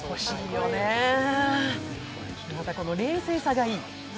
また、この冷静さがいい。